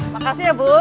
makasih ya bu